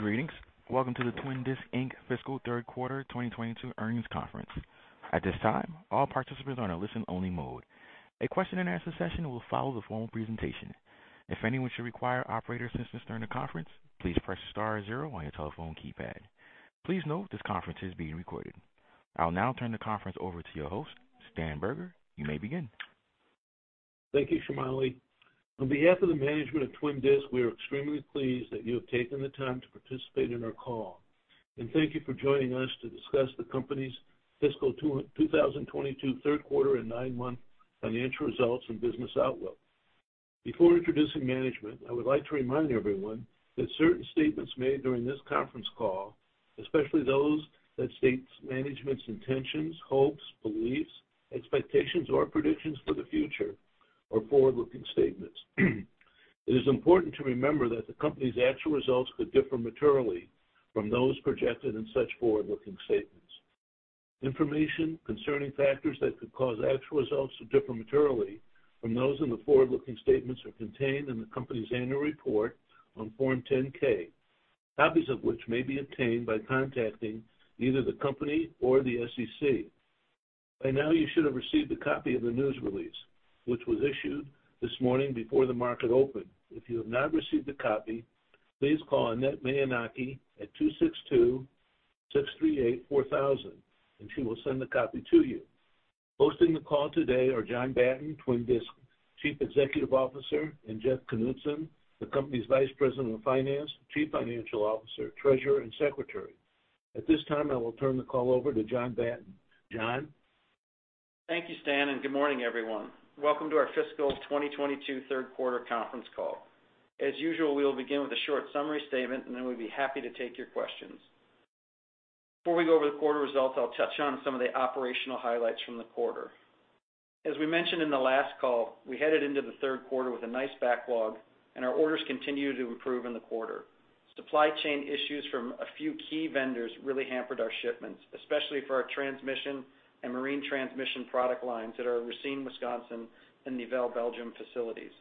Greetings. Welcome to the Twin Disc, Inc. fiscal third quarter 2022 earnings conference. At this time, all participants are in a listen-only mode. A question and answer session will follow the formal presentation. If anyone should require operator assistance during the conference, please press star zero on your telephone keypad. Please note this conference is being recorded. I'll now turn the conference over to your host, Stanley Berger. You may begin. Thank you, Shamali. On behalf of the management of Twin Disc, we are extremely pleased that you have taken the time to participate in our call. Thank you for joining us to discuss the company's fiscal 2022 third quarter and nine-month financial results and business outlook. Before introducing management, I would like to remind everyone that certain statements made during this conference call, especially those that states management's intentions, hopes, beliefs, expectations or predictions for the future are forward-looking statements. It is important to remember that the company's actual results could differ materially from those projected in such forward-looking statements. Information concerning factors that could cause actual results to differ materially from those in the forward-looking statements are contained in the company's annual report on Form 10-K, copies of which may be obtained by contacting either the company or the SEC. By now you should have received a copy of the news release, which was issued this morning before the market opened. If you have not received a copy, please call Annette Mianecki at 262-638-4000, and she will send a copy to you. Hosting the call today are John Batten, Twin Disc Chief Executive Officer, and Jeff Knutson, the company's Vice President of Finance, Chief Financial Officer, Treasurer, and Secretary. At this time, I will turn the call over to John Batten. John? Thank you, Stanley, and good morning everyone. Welcome to our fiscal 2022 third quarter conference call. As usual, we will begin with a short summary statement, and then we'd be happy to take your questions. Before we go over the quarter results, I'll touch on some of the operational highlights from the quarter. As we mentioned in the last call, we headed into the third quarter with a nice backlog and our orders continued to improve in the quarter. Supply chain issues from a few key vendors really hampered our shipments, especially for our transmission and marine transmission product lines at our Racine, Wisconsin, and Nivelles, Belgium, facilities.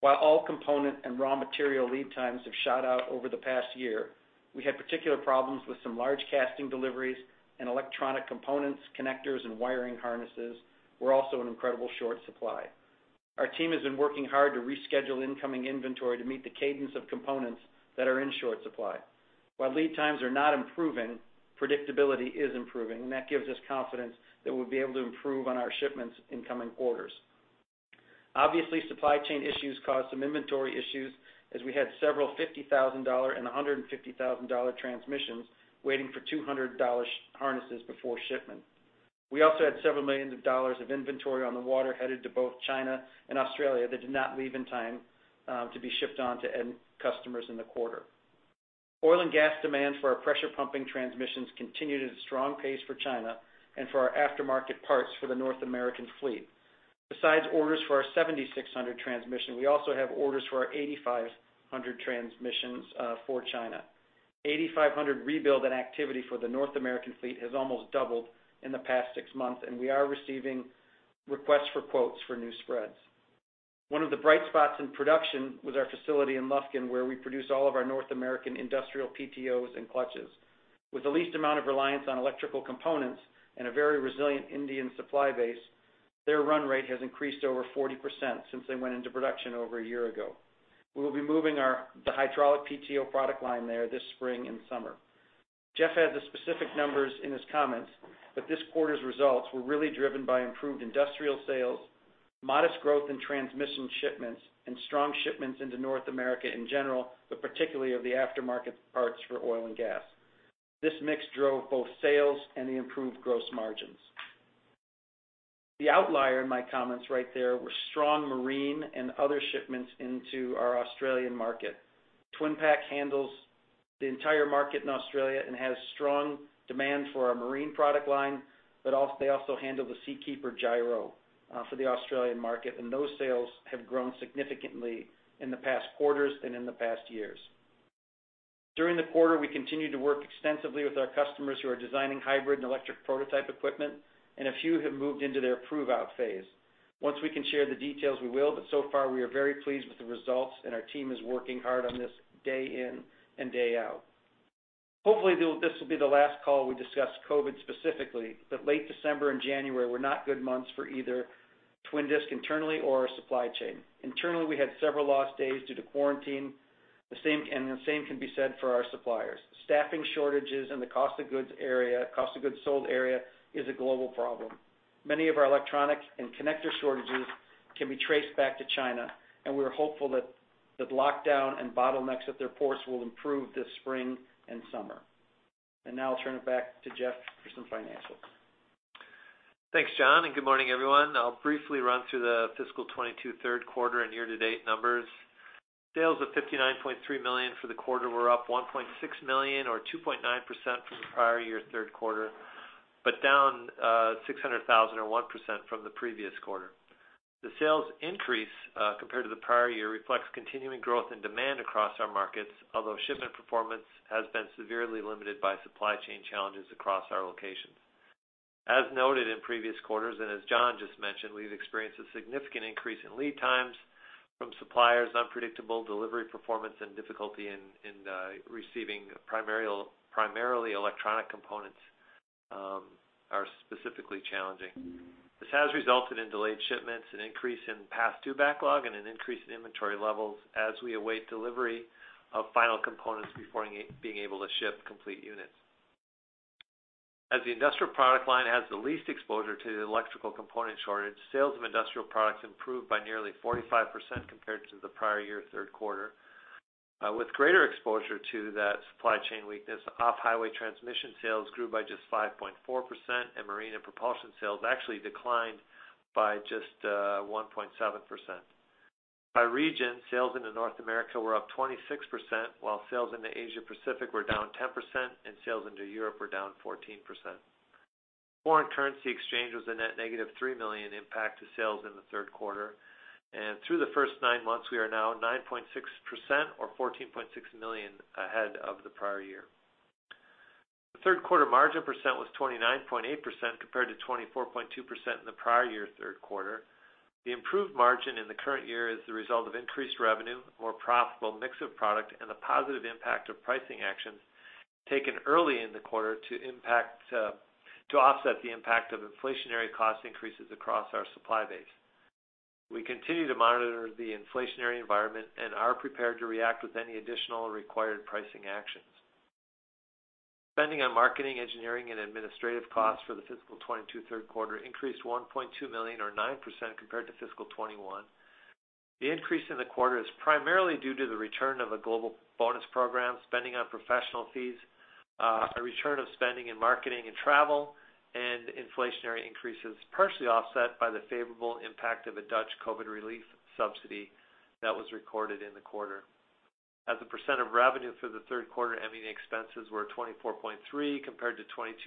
While all component and raw material lead times have shot out over the past year, we had particular problems with some large casting deliveries and electronic components, connectors and wiring harnesses were also in incredible short supply. Our team has been working hard to reschedule incoming inventory to meet the cadence of components that are in short supply. While lead times are not improving, predictability is improving, and that gives us confidence that we'll be able to improve on our shipments in coming quarters. Obviously, supply chain issues caused some inventory issues as we had several $50,000 and $150,000 transmissions waiting for $200 harnesses before shipment. We also had several million dollars of inventory on the water headed to both China and Australia that did not leave in time to be shipped on to end customers in the quarter. Oil and gas demand for our pressure pumping transmissions continued at a strong pace for China and for our aftermarket parts for the North American fleet. Besides orders for our 7600 transmission, we also have orders for our 8500 transmissions for China. 8500 rebuild and activity for the North American fleet has almost doubled in the past six months, and we are receiving requests for quotes for new spreads. One of the bright spots in production was our facility in Lufkin, where we produce all of our North American industrial PTOs and clutches. With the least amount of reliance on electrical components and a very resilient Indian supply base, their run rate has increased over 40% since they went into production over a year ago. We will be moving the hydraulic PTO product line there this spring and summer. Jeff had the specific numbers in his comments, but this quarter's results were really driven by improved industrial sales, modest growth in transmission shipments, and strong shipments into North America in general, but particularly of the aftermarket parts for oil and gas. This mix drove both sales and the improved gross margins. The outlier in my comments right there were strong marine and other shipments into our Australian market. Twin Disc Pacific handles the entire market in Australia and has strong demand for our marine product line, but they also handle the Seakeeper gyro for the Australian market, and those sales have grown significantly in the past quarters and in the past years. During the quarter, we continued to work extensively with our customers who are designing hybrid and electric prototype equipment, and a few have moved into their prove-out phase. Once we can share the details, we will, but so far we are very pleased with the results and our team is working hard on this day in and day out. Hopefully this will be the last call we discuss COVID specifically, but late December and January were not good months for either Twin Disc internally or our supply chain. Internally, we had several lost days due to quarantine. The same, and the same can be said for our suppliers. Staffing shortages in the cost of goods sold area is a global problem. Many of our electronics and connector shortages can be traced back to China, and we are hopeful that the lockdown and bottlenecks at their ports will improve this spring and summer. Now I'll turn it back to Jeff for some financials. Thanks, John, and good morning, everyone. I'll briefly run through the fiscal 2022 third quarter and year-to-date numbers. Sales of $59.3 million for the quarter were up $1.6 million or 2.9% from the prior year third quarter, but down $600,000 or 1% from the previous quarter. The sales increase compared to the prior year reflects continuing growth and demand across our markets, although shipment performance has been severely limited by supply chain challenges across our locations. As noted in previous quarters, as John just mentioned, we've experienced a significant increase in lead times from suppliers. Unpredictable delivery performance and difficulty in receiving primarily electronic components are specifically challenging. This has resulted in delayed shipments, an increase in pass-through backlog, and an increase in inventory levels as we await delivery of final components before being able to ship complete units. As the industrial product line has the least exposure to the electrical component shortage, sales of industrial products improved by nearly 45% compared to the prior year third quarter. With greater exposure to that supply chain weakness, off-highway transmission sales grew by just 5.4%, and marine and propulsion sales actually declined by just 1.7%. By region, sales into North America were up 26%, while sales into Asia Pacific were down 10%, and sales into Europe were down 14%. Foreign currency exchange was a net -$3 million impact to sales in the third quarter. Through the first nine months, we are now 9.6% or $14.6 million ahead of the prior year. The third quarter margin percent was 29.8% compared to 24.2% in the prior year third quarter. The improved margin in the current year is the result of increased revenue, a more profitable mix of product, and the positive impact of pricing actions taken early in the quarter to offset the impact of inflationary cost increases across our supply base. We continue to monitor the inflationary environment and are prepared to react with any additional required pricing actions. Spending on marketing, engineering, and administrative costs for the fiscal 2022 third quarter increased $1.2 million or 9% compared to fiscal 2021. The increase in the quarter is primarily due to the return of a global bonus program, spending on professional fees, a return of spending in marketing and travel, and inflationary increases, partially offset by the favorable impact of a Dutch COVID relief subsidy that was recorded in the quarter. As a percent of revenue through the third quarter, ME&A expenses were 24.3%, compared to 22.9%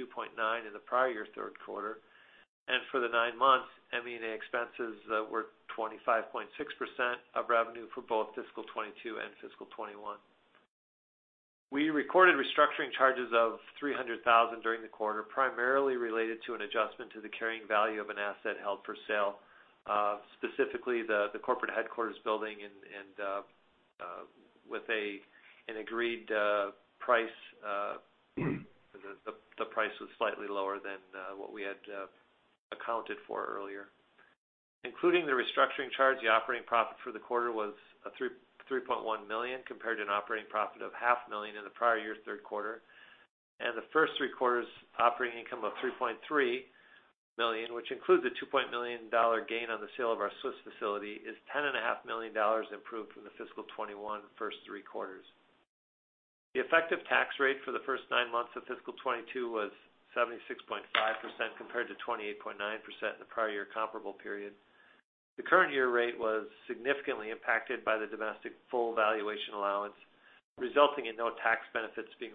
in the prior year third quarter. For the nine months, ME&A expenses were 25.6% of revenue for both fiscal 2022 and fiscal 2021. We recorded restructuring charges of $300,000 during the quarter, primarily related to an adjustment to the carrying value of an asset held for sale, specifically the corporate headquarters building and with an agreed price, the price was slightly lower than what we had accounted for earlier. Including the restructuring charge, the operating profit for the quarter was $3.1 million compared to an operating profit of $ 0.5 Million in the prior year third quarter. The first three quarters operating income of $3.3 million, which includes a $2 million gain on the sale of our Swiss facility, is $10.5 million improved from the fiscal 2021 first three quarters. The effective tax rate for the first nine months of fiscal 2022 was 76.5% compared to 28.9% in the prior year comparable period. The current year rate was significantly impacted by the domestic full valuation allowance, resulting in no tax benefits being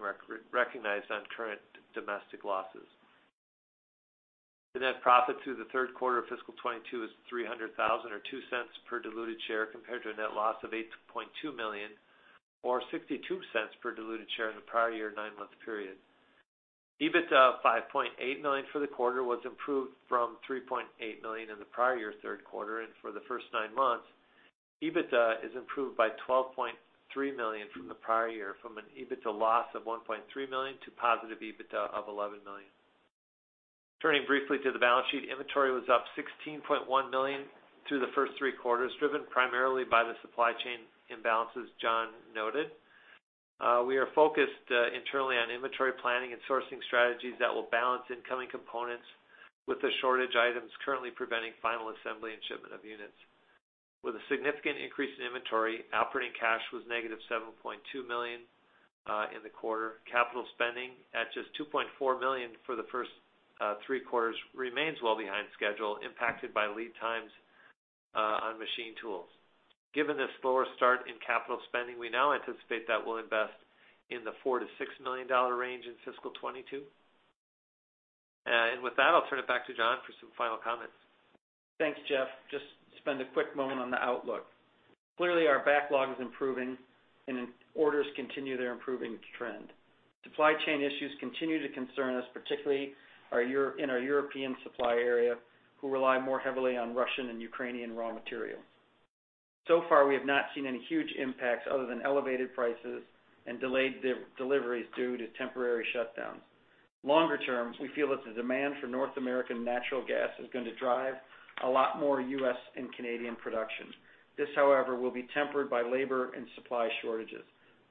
recognized on current domestic losses. The net profit through the third quarter of fiscal 2022 is $300,000 or $0.02 per diluted share compared to a net loss of $8.2 million or $0.62 per diluted share in the prior year nine-month period. EBITDA of $5.8 million for the quarter was improved from $3.8 million in the prior year third quarter. For the first nine months, EBITDA is improved by $12.3 million from the prior year, from an EBITDA loss of $1.3 million to positive EBITDA of $11 million. Turning briefly to the balance sheet, inventory was up $16.1 million through the first three quarters, driven primarily by the supply chain imbalances John noted. We are focused internally on inventory planning and sourcing strategies that will balance incoming components with the shortage items currently preventing final assembly and shipment of units. With a significant increase in inventory, operating cash was -$7.2 million in the quarter. Capital spending at just $2.4 million for the first three quarters remains well behind schedule, impacted by lead times on machine tools. Given the slower start in capital spending, we now anticipate that we'll invest in the $4 million-$6 million range in fiscal 2022. With that, I'll turn it back to John for some final comments. Thanks, Jeff. Just spend a quick moment on the outlook. Clearly, our backlog is improving and orders continue their improving trend. Supply chain issues continue to concern us, particularly in our European supply area, who rely more heavily on Russian and Ukrainian raw materials. So far we have not seen any huge impacts other than elevated prices and delayed deliveries due to temporary shutdowns. Longer term, we feel that the demand for North American natural gas is going to drive a lot more U.S. and Canadian production. This, however, will be tempered by labor and supply shortages.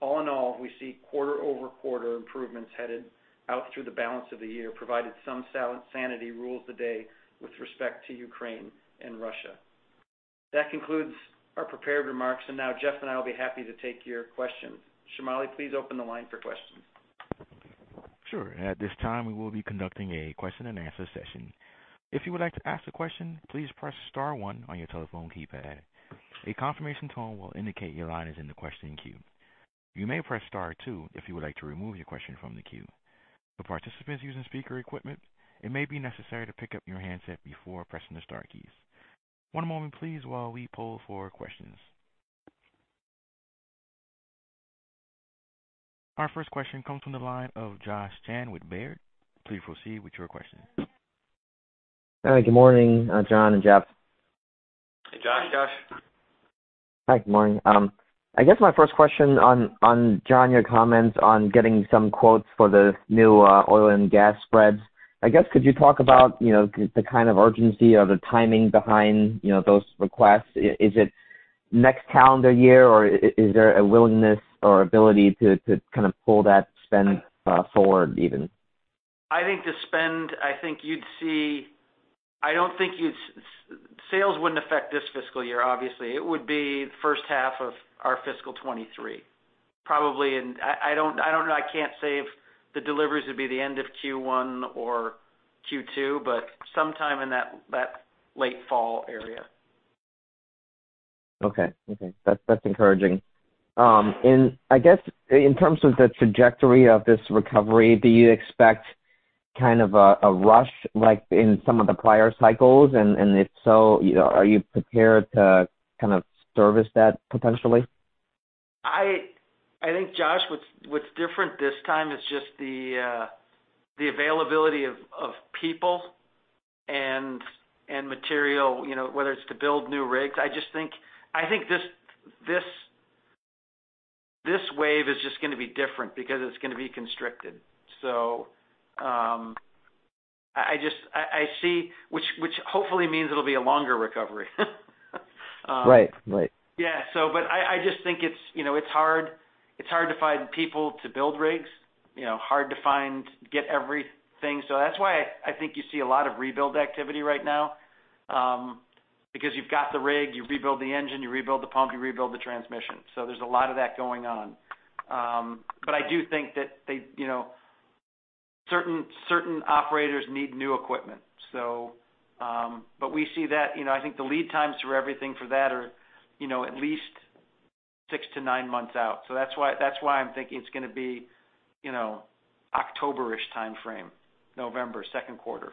All in all, we see quarter-over-quarter improvements headed out through the balance of the year, provided some sanity rules the day with respect to Ukraine and Russia. That concludes our prepared remarks. Jeff and I will be happy to take your questions. Shamali, please open the line for questions. Sure. At this time, we will be conducting a question and answer session. If you would like to ask a question, please press star one on your telephone keypad. A confirmation tone will indicate your line is in the question queue. You may press star two if you would like to remove your question from the queue. For participants using speaker equipment, it may be necessary to pick up your handset before pressing the star keys. One moment please while we poll for questions. Our first question comes from the line of Joshua Chan with Baird. Please proceed with your question. Hi, good morning, John and Jeff. Hey, Josh. Hi, Josh. Hi, good morning. I guess my first question on John, your comments on getting some quotes for the new oil and gas spreads. I guess, could you talk about, you know, kind of urgency or the timing behind, you know, those requests? Is it next calendar year, or is there a willingness or ability to kind of pull that spend forward even? I think the spend. I think you'd see. I don't think you'd see sales wouldn't affect this fiscal year, obviously. It would be the first half of our fiscal 2023, probably. I don't know. I can't say if the deliveries would be the end of Q1 or Q2, but sometime in that late fall area. Okay. That's encouraging. I guess in terms of the trajectory of this recovery, do you expect kind of a rush, like in some of the prior cycles? If so, you know, are you prepared to kind of service that potentially? I think, Josh, what's different this time is just the availability of people and material, you know, whether it's to build new rigs. I just think this wave is just gonna be different because it's gonna be constricted. I just see, which hopefully means it'll be a longer recovery. Right. Right. I just think it's you know it's hard to find people to build rigs you know hard to find get everything. That's why I think you see a lot of rebuild activity right now because you've got the rig you rebuild the engine you rebuild the pump you rebuild the transmission. There's a lot of that going on. I do think that they you know certain operators need new equipment. We see that. You know I think the lead times for everything for that are you know at least six-nine months out. That's why I'm thinking it's gonna be you know October-ish timeframe November second quarter.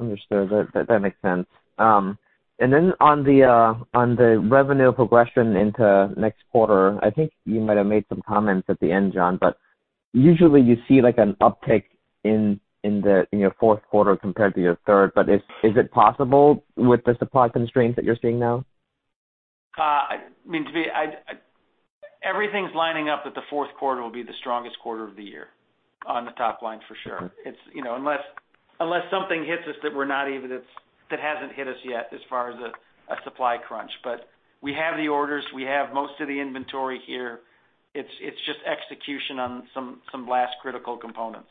Understood. That makes sense. Then on the revenue progression into next quarter, I think you might have made some comments at the end, John, but usually you see like an uptick in your fourth quarter compared to your third. Is it possible with the supply constraints that you're seeing now? I mean, everything's lining up that the fourth quarter will be the strongest quarter of the year on the top line for sure. Okay. It's, you know, unless something hits us that hasn't hit us yet as far as a supply crunch. We have the orders, we have most of the inventory here. It's just execution on some last critical components.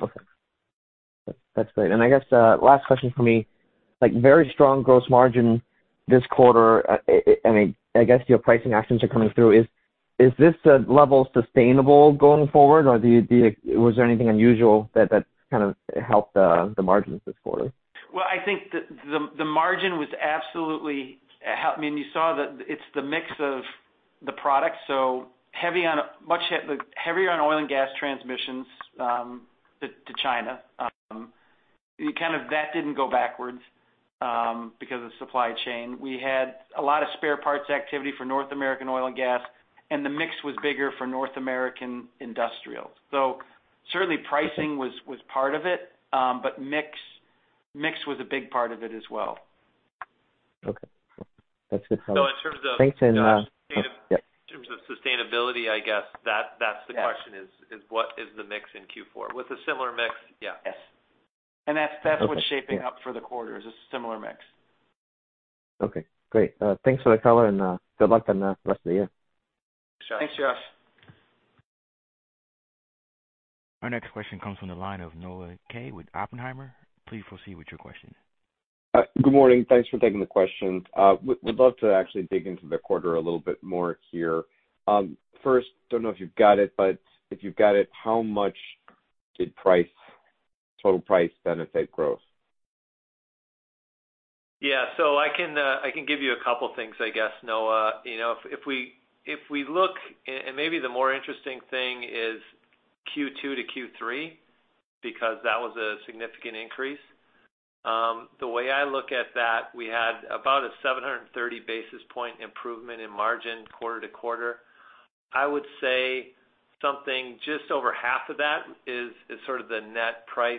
Okay. That's great. I guess last question from me, like very strong gross margin this quarter. I guess your pricing actions are coming through. Is this level sustainable going forward or do you was there anything unusual that kind of helped the margins this quarter? Well, I think the margin was absolutely. I mean, you saw that it's the mix of the products, so heavy on, much heavier on oil and gas transmissions to China. You kind of that didn't go backwards because of supply chain. We had a lot of spare parts activity for North American oil and gas, and the mix was bigger for North American industrial. Certainly pricing was part of it. Mix was a big part of it as well. Okay. Cool. That's good color. In terms of. Thanks. Josh, in terms of sustainability, I guess that's the question. Yeah. is what is the mix in Q4? With a similar mix? Yeah. Yes. That's what's shaping up for the quarter is a similar mix. Okay, great. Thanks for the color and good luck on the rest of the year. Thanks, Josh. Our next question comes from the line of Noah Kaye with Oppenheimer. Please proceed with your question. Good morning. Thanks for taking the questions. Would love to actually dig into the quarter a little bit more here. First, don't know if you've got it, but if you've got it, how much did price, total price benefit growth? Yeah, I can give you a couple things, I guess, Noah. You know, if we look and maybe the more interesting thing is Q2 - Q3, because that was a significant increase. The way I look at that, we had about a 730 basis points improvement in margin quarter to quarter. I would say something just over half of that is sort of the net price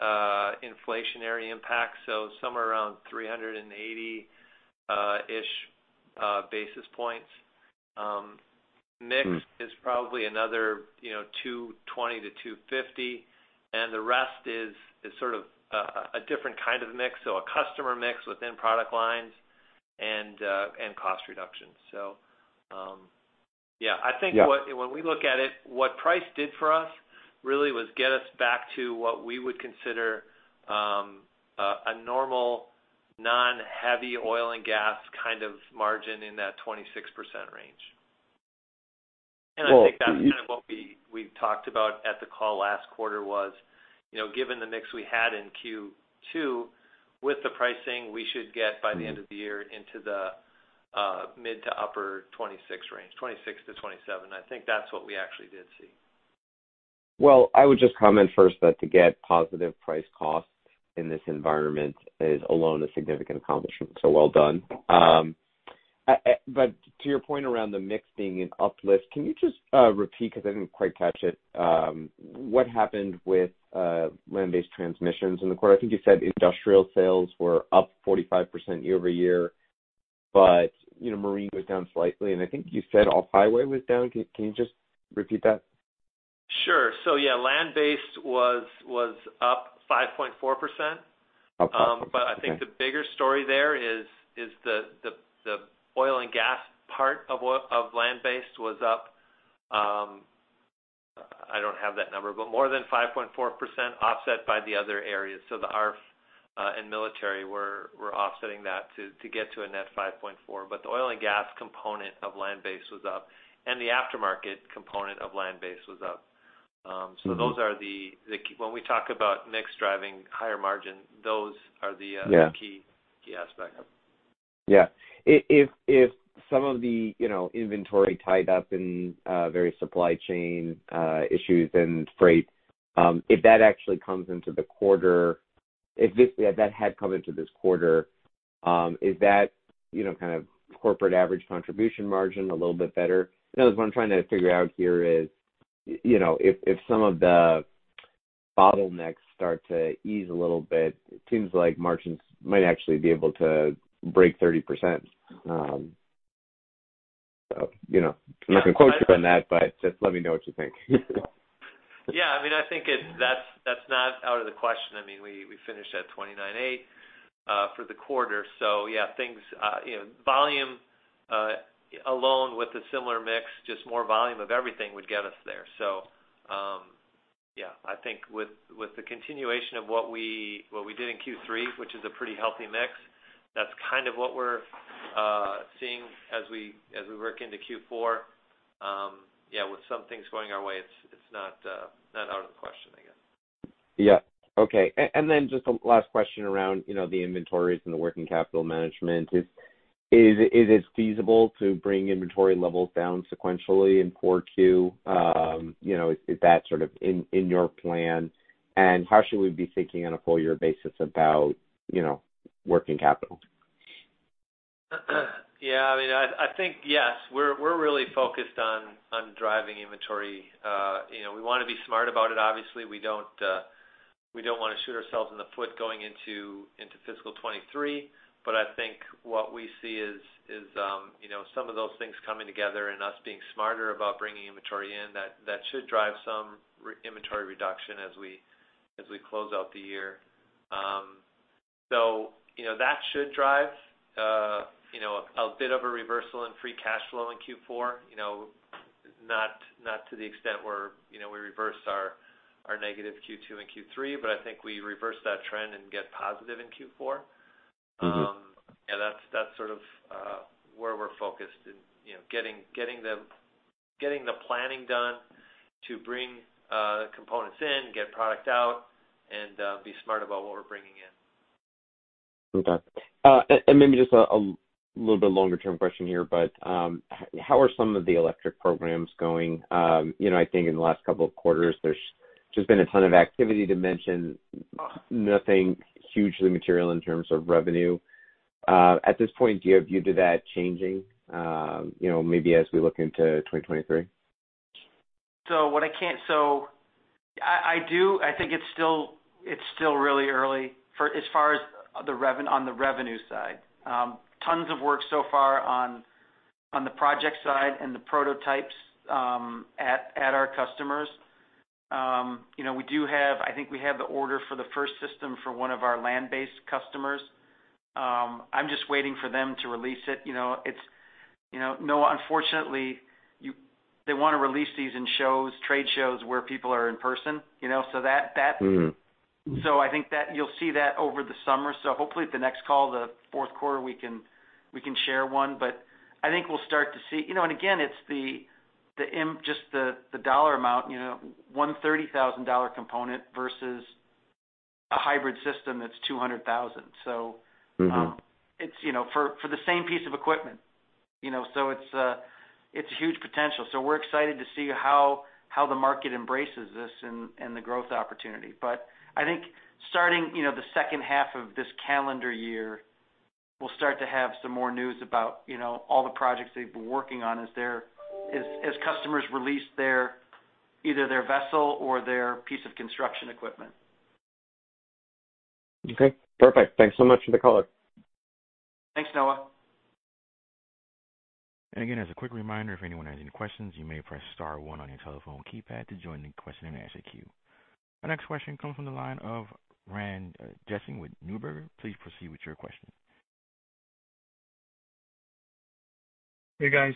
inflationary impact, so somewhere around 380 ish basis points. Mm. Mix is probably another, you know, $220-$250, and the rest is sort of a different kind of mix, so a customer mix within product lines and cost reductions. Yeah. Yeah. I think what, when we look at it, what price did for us really was get us back to what we would consider a normal non-heavy oil and gas kind of margin in that 26% range. Well- I think that's kind of what we talked about at the call last quarter was, you know, given the mix we had in Q2, with the pricing we should get by the end of the year into the mid- to upper-26% range, 26%-27%. I think that's what we actually did see. Well, I would just comment first that to get positive price costs in this environment is alone a significant accomplishment. Well done. But to your point around the mix being an uplift, can you just repeat, because I didn't quite catch it, what happened with land-based transmissions in the quarter? I think you said industrial sales were up 45% year-over-year, but, you know, marine was down slightly, and I think you said off-highway was down. Can you just repeat that? Sure. Yeah, land-based was up 5.4%. Okay. I think the bigger story there is the oil and gas part of land-based was up. I don't have that number, but more than 5.4% offset by the other areas. The ARFF and military were offsetting that to get to a net 5.4%. The oil and gas component of land-based was up, and the aftermarket component of land-based was up. Mm-hmm. Those are the key. When we talk about mix driving higher margin, those are the. Yeah the key aspects. Yeah. If some of the, you know, inventory tied up in various supply chain issues and freight, if that actually comes into the quarter, if that had come into this quarter, is that, you know, kind of corporate average contribution margin a little bit better? In other words, what I'm trying to figure out here is, you know, if some of the bottlenecks start to ease a little bit, it seems like margins might actually be able to break 30%. Yeah. I'm not gonna quote you on that, but just let me know what you think. Yeah. I mean, I think that's not out of the question. I mean, we finished at 29.8% for the quarter. So yeah, things you know, volume alone with a similar mix, just more volume of everything would get us there. So yeah, I think with the continuation of what we did in Q3, which is a pretty healthy mix, that's kind of what we're seeing as we work into Q4. Yeah, with some things going our way, it's not out of the question, I guess. Yeah. Okay. Just a last question around, you know, the inventories and the working capital management. Is it feasible to bring inventory levels down sequentially in Q4? You know, is that sort of in your plan? How should we be thinking on a full year basis about, you know, working capital? Yeah. I mean, I think yes. We're really focused on driving inventory. You know, we wanna be smart about it, obviously. We don't wanna shoot ourselves in the foot going into fiscal 2023. I think what we see is some of those things coming together and us being smarter about bringing inventory in, that should drive some inventory reduction as we close out the year. You know, that should drive a bit of a reversal in free cash flow in Q4. You know, not to the extent where we reverse our negative Q2 and Q3, but I think we reverse that trend and get positive in Q4. Mm-hmm. Yeah, that's sort of where we're focused in, you know, getting the planning done to bring components in, get product out, and be smart about what we're bringing in. Okay. Maybe just a little bit longer term question here, but how are some of the electric programs going? You know, I think in the last couple of quarters there's just been a ton of activity but nothing hugely material in terms of revenue. At this point, do you have a view to that changing, you know, maybe as we look into 2023? I think it's still really early as far as the revenue side. Tons of work so far on the project side and the prototypes at our customers. I think we have the order for the first system for one of our land-based customers. I'm just waiting for them to release it. No, unfortunately, they wanna release these in trade shows where people are in person, you know. That. Mm-hmm. I think that you'll see that over the summer. Hopefully at the next call, the fourth quarter, we can share one. I think we'll start to see. You know, it's just the dollar amount, you know, $130,000 component versus a hybrid system that's $200,000. Mm-hmm It's, you know, for the same piece of equipment, you know. It's huge potential. We're excited to see how the market embraces this and the growth opportunity. I think starting, you know, the second half of this calendar year, we'll start to have some more news about, you know, all the projects they've been working on as customers release either their vessel or their piece of construction equipment. Okay. Perfect. Thanks so much for the color. Thanks, Noah. Again, as a quick reminder, if anyone has any questions, you may press star one on your telephone keypad to join the question and answer queue. Our next question comes from the line of Rand Jessup with Neuberger. Please proceed with your question. Hey, guys.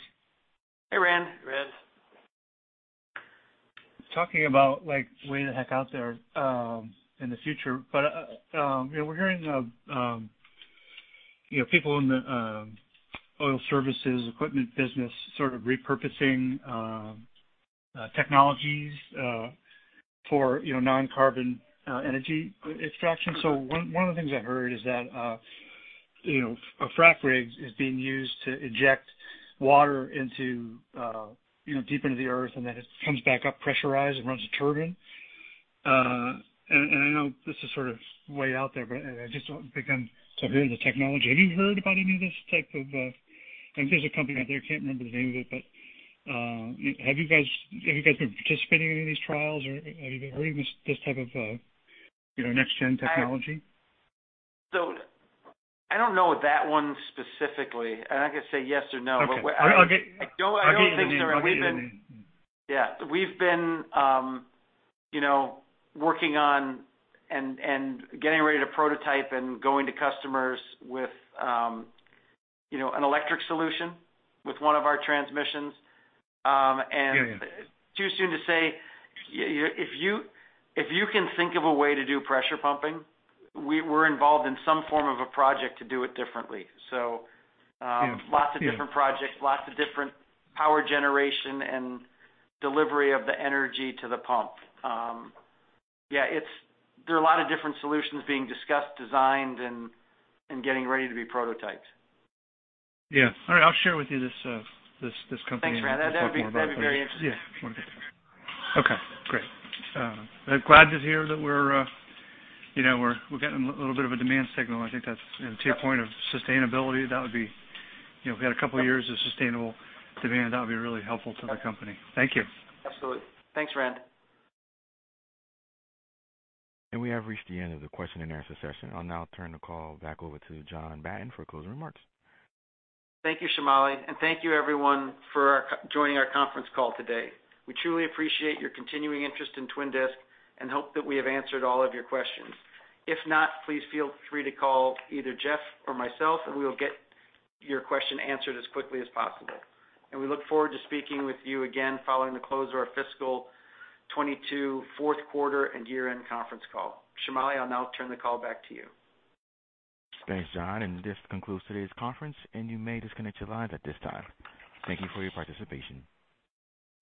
Hey, Rand. Rand. Talking about like way the heck out there in the future, but you know we're hearing you know people in the oil services equipment business sort of repurposing technologies for you know non-carbon energy extraction. One of the things I heard is that you know a frac rig is being used to inject water into you know deep into the earth and then it comes back up pressurized and runs a turbine. I know this is sort of way out there, but I just don't think I'm so hearing the technology. Have you heard about any of this type of? I think there's a company out there. I can't remember the name of it, but have you guys been participating in any of these trials or are you hearing this type of, you know, next gen technology? I don't know that one specifically, and I can say yes or no. Okay. I don't think so. I'll get you the name. We've been, you know, working on and getting ready to prototype and going to customers with, you know, an electric solution with one of our transmissions. Yeah. Yeah. Too soon to say. If you can think of a way to do pressure pumping, we're involved in some form of a project to do it differently. Lots of different projects, lots of different power generation and delivery of the energy to the pump. Yeah, there are a lot of different solutions being discussed, designed and getting ready to be prototyped. Yeah. All right. I'll share with you this company. Thanks, Rand. That'd be very interesting. Yeah. Okay, great. Glad to hear that we're, you know, we're getting a little bit of a demand signal. I think that's to your point of sustainability. That would be, you know, if we had a couple years of sustainable demand, that would be really helpful to the company. Thank you. Absolutely. Thanks, Rand. We have reached the end of the question and answer session. I'll now turn the call back over to John Batten for closing remarks. Thank you, Shamali. Thank you everyone for joining our conference call today. We truly appreciate your continuing interest in Twin Disc and hope that we have answered all of your questions. If not, please feel free to call either Jeff or myself, and we will get your question answered as quickly as possible. We look forward to speaking with you again following the close of our fiscal 2022 fourth quarter and year-end conference call. Shamali, I'll now turn the call back to you. Thanks, John. This concludes today's conference, and you may disconnect your lines at this time. Thank you for your participation.